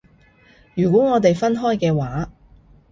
如果我哋分開嘅話